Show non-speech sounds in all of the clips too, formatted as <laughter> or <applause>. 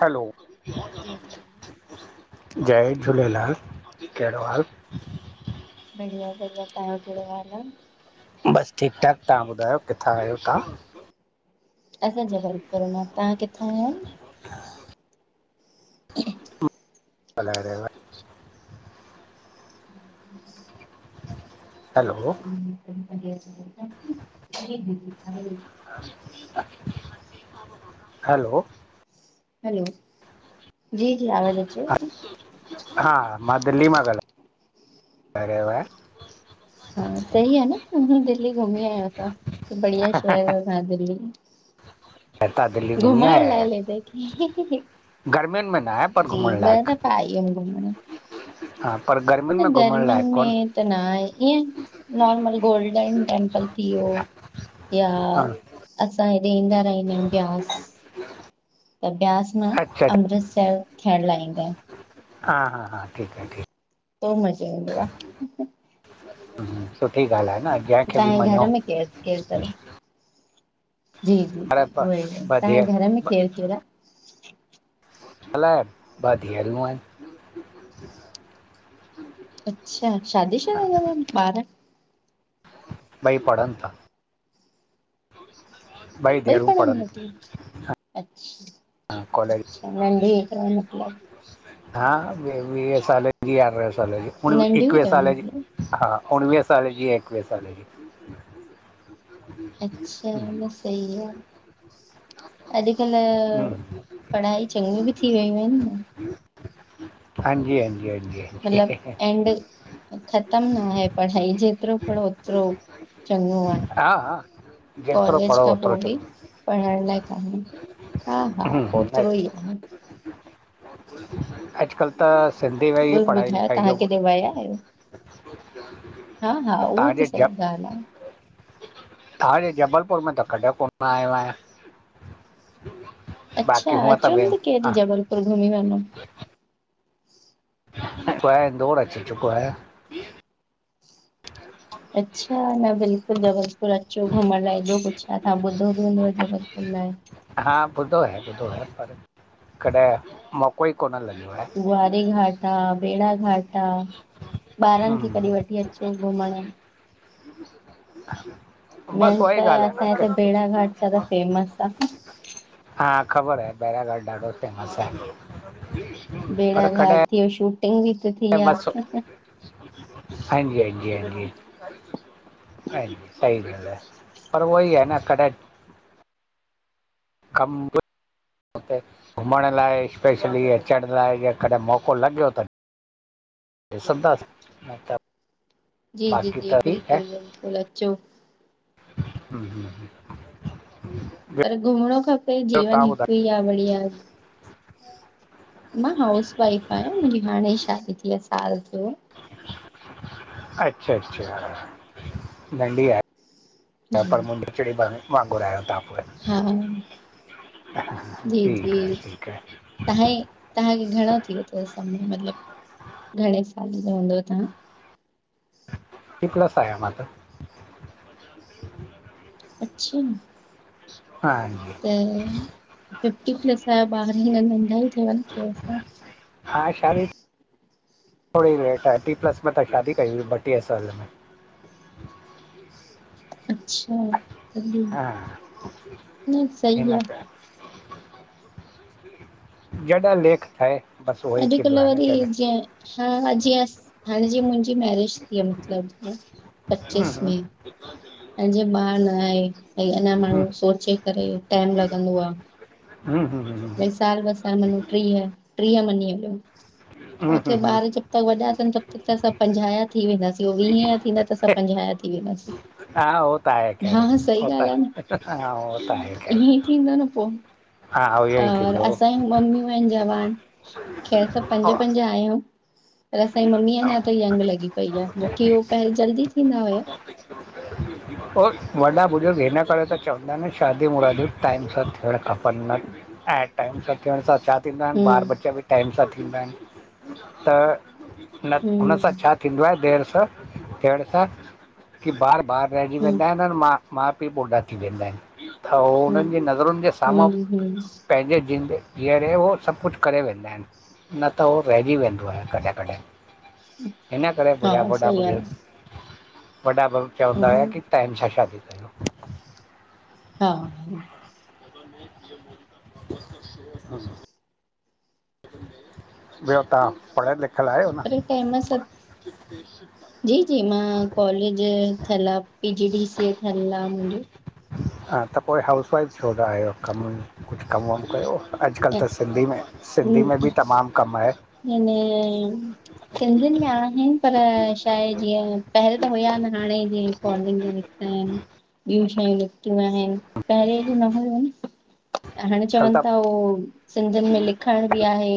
हलो change <inaudible> जय झूलेलाल, कहिड़ो हाल? बढ़िया-बढ़िया, तहां यो केॾो हाल आ? बस ठीकु- ठाकु, तहां ॿुधायो कित्थां आहियो तहां? असां जबलपुर मां, तहां किथां या? <inaudible> <inaudible> <inaudible> हैलो <inaudible> अ <inaudible> <inaudible> हैलो हैलो, जी- जी आवाज़ अचेव थी? हा मां दिल्ली मां ॻालाहे <unintelligible> रहियो आंयां। हा सही आ न, दिल्ली घुमी आयव तां, बढिया शहर आ असांजो दिल्ली। असां दिल्ली घुमी घुमण आया लाइ लेदे की गर्मियुनि में न आहे, पर जी घुमण ॿ लाइक दफ़ा आई हुयमि घुमण। हा, पर गर्मियुनि न में घुमण लाइक गर्मियुनि कोन्हे। में त न आहे, ईअं नॉर्मल गोल्डन टेंपल थी वियो या हा असां हेॾे ईंदा रहिंदा आहियूं ब्यास, त ब्यास न अच्छा अमृतसर थियण लाइ ईंदा आहियूं। हा हा, हा ठीक आ ठीक तो मज़ो ईंदो आ सुठी ॻाल्हि आ न। जंहिंखे बि तव्हांये मञो घर में केर केर तव? जी पर ब उहोई, ॿ धीअ तहांये घर में ॿ केर केर आ? अलाए, ॿ धीअरूं आहिनि। अच्छा, शादी शुदा तव ॿार? ॿई पढ़नि ता। ॿई धीअरूं पढ़नि थियूं। अच्छ हा कोलेज। मतिलबु हा वी वीह साले जी आ, अरडहें साले जी उणवी नंढियूं ई एकवीह तव सालें जी। मतिलबु? हा उणवीह साल जी, एकवीह साल जी। अच्छा, हम्म न सही आ। अॼुकल्ह हम्म, पढ़ाई चङियूं बि थी वियूं आहिनि न। हांजी, हांजी, हांजी मतिलबु एंड ख़तम न आहे पढ़ाई, जेतिरो पढ़ो ओतिरो चङओ आ। हा! जेतिरो कॉलेज पढ़ो खां ओतिरो पोइ बि चङो पढ़ण लाइ कानहे, हा हा हम्म ओतिरो अॼु- ही आ न। अॼुकल्ह त सिंधी में ई ॿियो पढ़ाई ॿुधायो लिखाई तव्हां जो केॾे विया आहियो? हा हा, उहो तव्हांजे त सही जब ॻाल्हि आ। तव्हांजे जबलपुर में त कॾहिं कोन आयो आहियां। अच्छा, बाक़ी हूअं त अचो ॿिए न केॾीं हा जबलपुर घुमी वञो। <unintelligible> इन्दौर अची चुको आहियां। अच्छा, न बिल्कुलु जबलपुर अचो घुमण लाइ हेॾो कुझु आहे, तव्हां ॿुधो बि हूंदव जबलपुर लाइ। हा ॿुधो आहे, ॿुधो आहे पर कॾहिं मौक़ो ई कोन लॻियो आहे। गुआरी घाट आ, बेड़ा घाट आ ॿारनि खे कॾीं हम्म वठी अचो। घुमण बस, मेन त उहाई ॻाल्ह आ असांजे हिते भेड़ा घाट ज्यादा न। फेमस आ। हा, ख़बर आहे बैराघाट ॾाढो फेमस आहे। पर बेड़ाघाट कॾहिं ते शूटिंग बि त थी आ। हांजी, हांजी, हांजी <unintelligible> सही गाल्ह आ, पर उहोई आ न कॾहिं कम हुते घुमण लाइ स्पेशली अचण लाइ जे कॾहिं मौक़ो लॻियो त ॾिसंदासि मतलब जी, जी, जी, बिल्कुल बिल्कुल अचो। हम्म पर घुमिणों खपे, ॿियो जीवन तव्हां हिकु ॿुधायो ई आ बढ़िया। मां हाउस वाईफ आहियां, मुंजी हाणे ई शादी थी आ, साल थियो आ। अच्छा, अच्छा नंढी आहे? जी पर मुंहिंजिचड़ी वांगुरु आहियो तव्हां पोइ हा <unintelligible> ठीकु आ, ठीकु आ। तहां हे तहांखे घणो थी यो तव समय मतलब, घणें साले जा हूंदव तहां? फिफ्टी प्लस आहियां मां त अच्छा। हा जी। अं <unintelligible> फिफ्टी प्लस आयो, बार अञा नदा ही तव छा? हा, शादी थोड़ी, लेट टी प्लस में त शादी कई हुई, ॿटीह साल में। अच्छा तॾहिं हा न सही हिन आहे कर। जॾहि लेख ठए। अॼुकल वरी जीअं हा जीअं, हाणे जीअं मुंजी मैरिज थी आ मतिलब न हम्म पचीस मे। हम्म एं जींअ ॿारु न हे भई अंञां माण्हूं सोचे करे टाइम लॻंदो आ। हम्म -हम्म भई साल, बसाल, मञों ट्रीह ट्री मंञीं, हलो हम्म छा हम्म, थे हम्म, ॿार जो त वॾा थियन त असां पंझा या थी वेंदासीं, हो वीहें जा थींदा त असां पंझा या थी वेंदासीं। हा हो त आहे हा खैर, हो त हा हो त आहे खैर ईये थींदा न पो। ई और थींदो असांज्यूं मम्मियूं आहिनि जवान खेैर असां पंज पंज आहियूं। पर असांजी मम्मीअ अंञा तांई यंग लॻी पई आ, जोकी हो, पहरी जल्दी थींदा हुया। और वॾा बुज़ुर्ग हिन करे त चवंदा आहिन, शादीय मुरादीयूं टाइम सां थियणु खपनि न। एं टाइम सां थियण सां छा थिंदा इन त ॿार हम्म बच्चा ॿि टाइम सां थींदा इनि, त न हम्म हुन सां छा थींदो आहे देरि सां, थियंण सां, कि ॿार, ॿार रहिजी हम्म वेंदा हिन अंएं मां माउ पीउ ॿुढा थी वेंदा हिन, त हुननि हम्म जी नज़रुनि जे साम्हूं हम्म हम्म पंहिंजे जिंदे जीअरे हो सब कुछु करे वेंदा हिन। न त हो रहिजी वेंदो आहे कॾहिं- कॾहिं, इन्ह करे वडा हा वड्डा - सही आहे बुज़ुर्ग वॾा चवंदा हुया हम्म कि टाइम सां शादी कयो। हा। <unintelligible> ह <unintelligible> ॿियो तहां, पढ़ियल लिखियल आहियो न? टाइम सा <unintelligible> जी- जी मां कॉलेज थियल आ, P G D C A थियल आ मुंजो। हा त पो हे हाउसवाइफ छो था हियो, कम कुछ कम वमु कयो। अॼुकल्ह त सिंधी में, सिंधी में ॿि तमामु कमु आहे। इने <unintelligible> सिंधियुनि में आहिन पर, छा हे जीअं पहिरियों त हुया न, हाणें जीअ कॉलिंग ह आहिनि <unintelligible> ॿियूं शयूं निकतियूं आहिनि, पहिरें एॾियू न हूंयू हाणे अॼुकल्ह चवनि त था उह, सिंधियुनि में लिखण ॿि आहे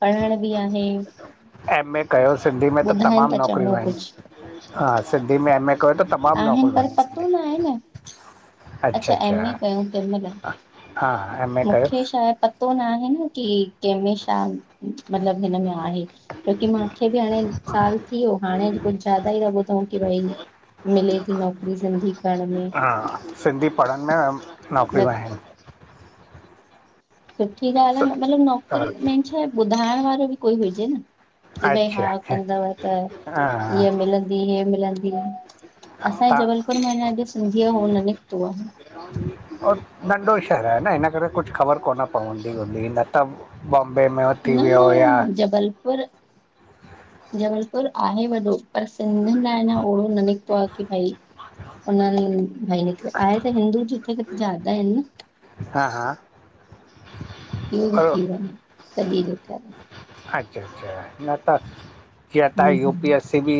पढ़ण बि आहे एम ए कयो सिंधी में त ॿुधाइनि तमाम था नौकरियूं चङो आहिन, कुझु हा सिंधी में एम ए कयो त तमाम आहिनि नौकरियूं पर पतो आहिन न आहे न अच्छा एम ए कयूं तहिं महिल, हा एम ए कयो मूंखे शायद पतो न आहे न, कि कंहिंमे छा मतलब हिन में आहे, छो कि मूंखे बि हाणे साल थी वियो, हाणे कुछ ज्यादा ई था ॿुधऊं कि भई, मिले थी नौकिरी सिंधी करण में हा, सिंधी पढ़ण में न नौकरियूं त आहिन। सुठी ॻाल्हि आहे स- न, मतलब हा, नौकिरी, मेन छाहे ॿुधाइण वारो ॿि कोई हुजे न कि भई अच्छा हा, अच्छा कंदव त हा हीअ मिलंदव असांजे तव्हां जबलपुर में अञा अॼु सिंधीअ हो न निकतो आ नंढो शहर आहे न, हिन करे कुछ ख़बर कोन पवंदी हूंदी न। त बॉम्बे में उथी वियो या पर, जबलपुर आहे वॾो पर सिंधियुनि लाइ अना ओड़ो न निकितो आ की भाई उन नि भाई हिक, आहे त हिंदू जिथे किथे ज्यादा आहिन न हा हा इहो बी और- थी वञे, सॼे जे करे अच्छा अच्छा, न त कीअं त हम्म U P hmm S C B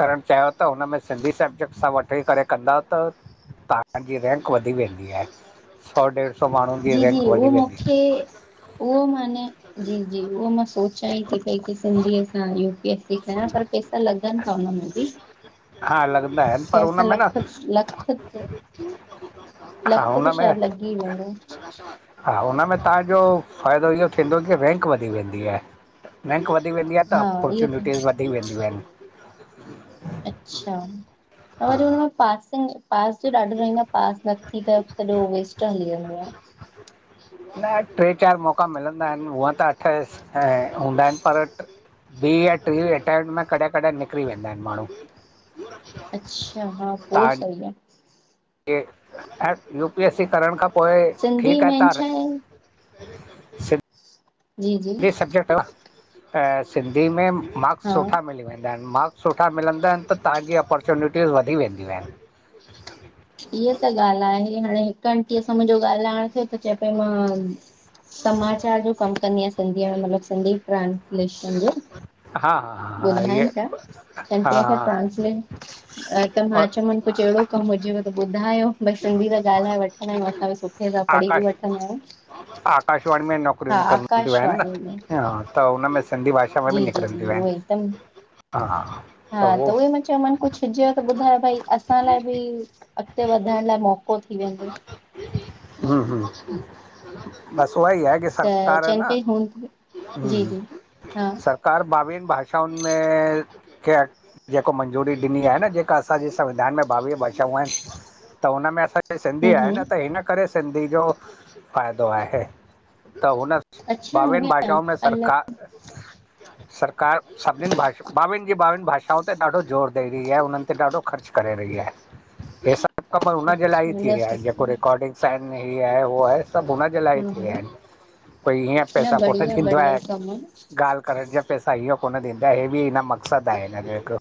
करणु चाहियो त हुनमें सिंधी सबजेैक्ट सां वठी करे कंदा त तव्हांजी रेंंक वधी वेंदी आहे, सौ डेढ जी जी उहो मूंखे, उहो माने जी जी उहो मां सोचां ई थी पई कि सिंधी सां यू पी एस सी कयां, पर पैसा त लॻनि था उन में ॿि, हा लॻंदा आहिनि पर लख हुन में न लख त लख, हा लख हुन त में शायद लॻी ई वेंदो। हा, हुनमें तव्हांजो फ़ाइदो इहो थींदो की रेंक वधी वेंदी आहे। रैंक वधी वेंदी आ त हा इहो अपोर्चुनिटीज़ त वधी वेंदियूं आहिन। अच्छा, ऐं वरी हुनमें पास पास जो ॾाढो रहंदो आ पास नथी त सॼो वेस्ट हली वेंदी आ। न टे चारि मौक़ा मिलंदा आहिनि हुअं त अठ ऐं हूंदा आहिनि पर ॿीं या टीं अटैम्पट में कॾहिं कॾहिं निकिरी वेंदा आहिनि माण्हू। अच्छा, हा पो तव्हां सही आ। यू पी एस सी करण खां पोइ सिंधी ठीकु आ मेन छा तव्हां आहे जी जी सिंधी सब्जेक्ट सिंधी में मार्क्स हा सुठा मिली वेंदा आहिनि मार्क्स सुठा मिलंदा आहिनि त तव्हांजी अपॉर्चुनिटीज़ वधी वेंदियूं आहिनि। ईहा त ॻाल्हि आहे हाणे हिक आंटीअ सां मुंहिंजो ॻाल्हाइण थियो त चए पई मां समाचार जो कमु कंदी आहियां सिंधीअ में मतलबु सिंधी ट्रांसलेशन जो हा हा हा हा इहे ॿुधाइनि पिया, हा कंटेंप्ट ट्रांसलेट त मां और चयोमानि कुझु अहिड़ो कमु हुजेव त ॿुधायो भई सिंधी त ॻाल्हाए वठंदा आहियूं असां बि सुठे सां पढ़ी बि आकाश वठंदायूं आकाशवाणी में नौकरियूं निकरंदियू आहिनि में न त उनमें सिंधी भाषा में जी बि जी जी निकिरंदियूं उहो आहिनि हिकदमि हा हा त उहे मां चयोमानि कुझु कुझु हुजेव त ॿुधायो भई असां लाइ बि अॻिते वधण लाइ मौको थी वेंदो। हम् ह्म बस उहा ई आहे कि त सरकार आहे चइनि पई हूं जी न जी हा सर कार ॿावीहनि भाषाउनि में चेट जेको मंजूरी ॾिनी आहे न जेका असांजे संविधान में ॿावीह भाषाऊं आहिनि त हुन मेंअसां सिंधी हूं आहे हूं न त ही न करे सघंदी जो फ़ाइदो आहे त हुन अच्छा ॿावीहनि ईअं भाषाऊंनि में अलाए सरकार सरकार सभिनिनि भाषा ॿावीनि जी ॿावीहनि भाषाउनि ते ॾाढो ज़ोर ॾई रही आहे उन्हनि ते ॾाढो ख़र्च करे रही आहे हे सभु कम हुन जे लाइ अच्छा ई थी न रहिया आहिनि जेको सुठो अकॉडिंग साइन में हीअ आहे उहो आहे सभु हुनजे लाइ हूं थी हूं विया आहिनि कोई ईअं ई न पैसा कोन बढ़िया ॾींदो आहे बढ़िया कमु ॻाल्हि करण जा पैसा इहो कोन ॾींदा ईहे बि हिन मक़सदु आहे हिन जो हिकु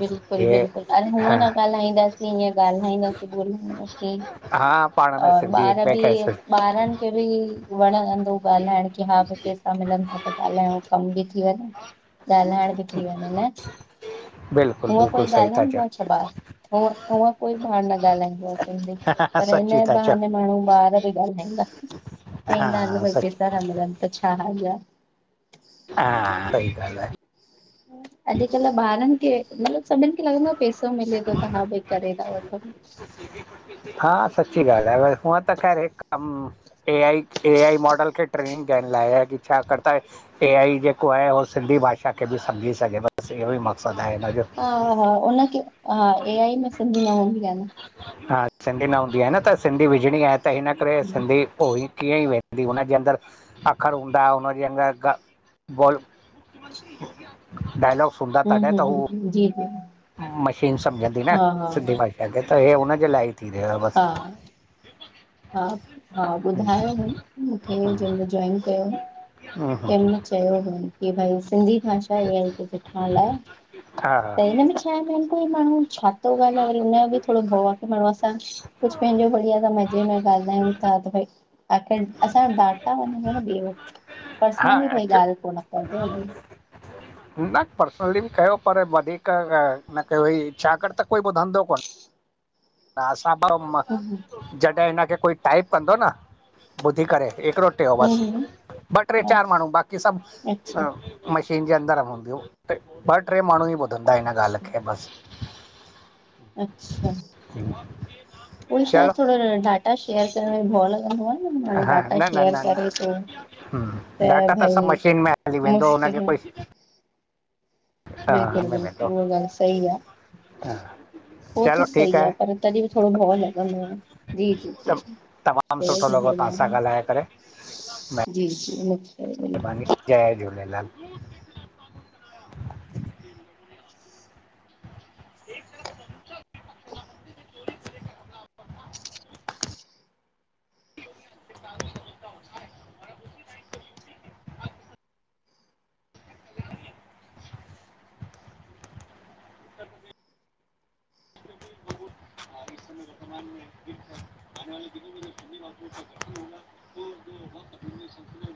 बिल्कुलु हे बिल्कुलु अरे हूअं हा न ॻाल्हाईंदासीं ईअं ॻाल्हाईंदासीं ग्रुप में ह्म हा पाण में और सिंधी ॿार हिक ॿिए बि खे ॿारनि खे बि वणंदो ॻाल्हाइण की हा भई पैसा मिलनि था त ॻाल्हायूं कम बि थी वञे ॻाल्हाइण बि थी वञे न बिल्कुलु हूअं कोई बिल्कुलु सही था ॻाल्हाईंदो चओ आहे छा ॿारु हूंअ कोई ॿारु न ॻाल्हाईंदो आहे सिंधी पर सची इन्हें ई था चओ बहाने माण्हू ॿार बि ॻाल्हाईंदा चवंदा आहिनि हा भई सची पैसा था मिलनि त छा हर्जु आहे इ। हा सही ॻाल्हि आहे। अॼु काल्ह ॿारनि मतिलबु सभिनि खे लॻंदो आहे पैसो मिले थो त हा भई करे था वठऊं। हा सची ॻाल्हि आहे पर हूंअ त ख़ैर कम A I A I model खे ट्रेनिंग ॾियण लाइ कि छाकाणि त ए आई जेको आहे हू सिंधी भाषा खे बि सम्झी सघे बसि इहो ई मक़सदु आहे हिननि जो। हा हा हा उनखे हा ए आई में सिंधी न हूंदी आहे न। हा सिंधी न हूंदी आहे न त सिंधी विझणी आहे त हिन करे हम्म सिंधी पोइ ई कीअं ई वेंदी हुनजे अंदरि अख़र हूंदा हुनजे अंदरि बोल डायलॉग हूंदा तॾहिं हम्म त हम्म जी जी हूअ मशीन सम्झंदी न हा हा सिंधी भई। लॻे थो हे हुनजे लाइ ई थी रहियो आहे हा बसि हा हा हम्म ॿुधायो मूंखे जंहिं मइल जॉइन कयो हम्म हम्म तहिं मइल चयो कि भई सिंधी भाषा इहा लिखण लाइ हा त ऐं हा हिन में कोई माण्हू छा थो ॻाल्हाए हुनजो बि वरी थोरो भउ आहे कि माण्हूं असां कुझु पंहिंजो बढिया तम में ॻाल्हायूं था भ आख़िर असांज डाटा वञे थो न िए वठि हा पर्सनली भई एक्चु ॻाल्हि कोन करंदो न न पर्सनली बि कयो पर वधीक न क छाागर त कोई धंधो कोन। न असां पोइ जॾहिं हिनखे कोई टाइप कंदो न ॿुधी करे हिकिड़ो बस में ॿ टे चार माण्हू बाक़ी अच्छा सभु मशीन जे अंदरि हूंदियूं ॿ टे माण्हू ई ॿुधंदा हिन ॻाल्हि अच्छा खे बसि अच्छा उई चलो शायदि थोरो डाटा शेयर करण में भओ लॻंदो आहे। माण्हू डाटा शेयर करे थो। ह डाटा त सभु मशीन में हली वेंदो मुश्किल हुनखे में, कोई हा बिल्कुलु में वेंदो बिल्कुलु उहा ॻाल्हि सी आहे। हा ओ, त चलो ठीकु सही आ, आहे पर तॾी बि थोरो भौ लॻंदो आ न, जी जी जी तमाम जय सुठो लॻो, तहां झूलेलाल सां ॻाल्हाए करे। जी जी बिल्कुलु महिरबानी, जय झूलेलाल! एक तरफ़ समझो <unintelligible> <inaudible> <unintelligible> <unintelligible>